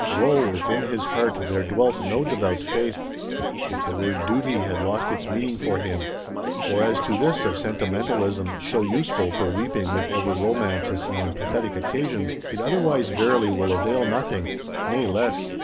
Woe, if in his heart there dwelt no devout Faith; if the word Duty had lost its meaning for him! For as to this of Sentimentalism, so useful for weeping with over romances and on pathetic occasions, it otherwise verily will avail nothing; nay less.